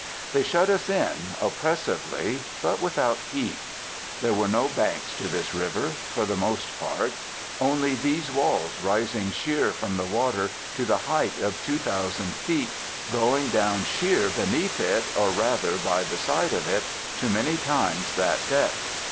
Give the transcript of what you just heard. They shut us in, oppressively, but without heat. There are no banks to this river, for the most part; only these walls, rising sheer from the water to the height of two thousand feet, going down sheer beneath it, or rather by the side of it, to many times that depth.